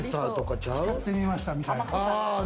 使ってみました、みたいな。